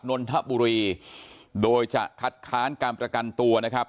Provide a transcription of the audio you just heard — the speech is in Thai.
นนทบุรีโดยจะคัดค้านการประกันตัวนะครับ